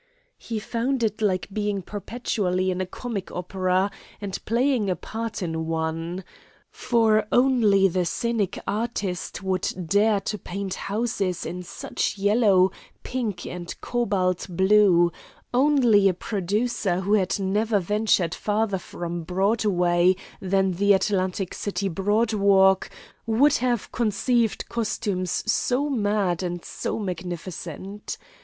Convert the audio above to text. He found it like being perpetually in a comic opera and playing a part in one. For only the scenic artist would dare to paint houses in such yellow, pink, and cobalt blue; only a "producer" who had never ventured farther from Broadway than the Atlantic City boardwalk would have conceived costumes so mad and so magnificent.